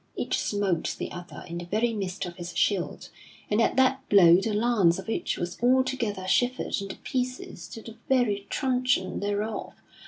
Each smote the other in the very midst of his shield, and at that blow the lance of each was altogether shivered into pieces to the very truncheon thereof.